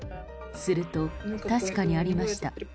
すると、確かにありました。